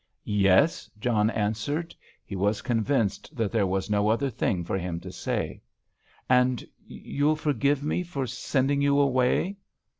"Yes," John answered. He was convinced that there was no other thing for him to say. "And you'll forgive me for sending you away?"